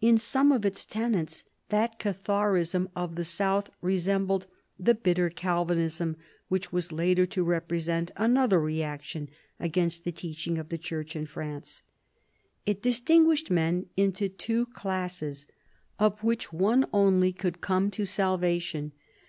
In some of its tenets that Catharism of the south resembled the bitter Calvinism which was later to represent another reaction against the teaching of the church in France. It distinguished men into two classes, of which one only could come to salvation.